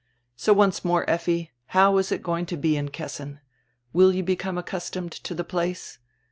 So once more, Effi, how is it going to be in Kessin? Will you become accustomed to die place?